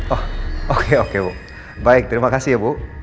oh oke oke bu baik terima kasih ya bu